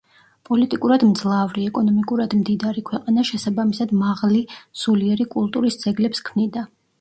პოლიტიკურად მძლავრი, ეკონომიკურად მდიდარი ქვეყანა შესაბამისად მაღლი სულიერი კულტურის ძეგლებს ქმნიდა.